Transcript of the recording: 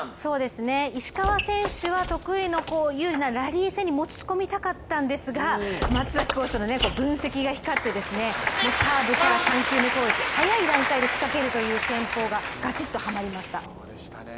石川選手は得意の有利なラリー戦に持ち込みたかったんですが松崎コーチとの分析が光ってサーブから３球目攻撃、早い段階から仕掛けるという戦法ががちっとはまりました。